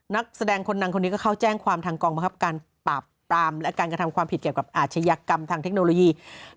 นักแสดงคนดังคนนี้ก็เข้าแจ้งความทางกองบังคับการปราบปรามและการกระทำความผิดเกี่ยวกับอาชญากรรมทางเทคโนโลยี